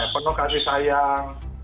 penuh kasih sayang